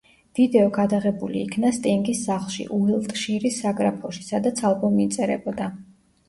ვიდეო გადაღებული იქნა სტინგის სახლში, უილტშირის საგრაფოში, სადაც ალბომი იწერებოდა.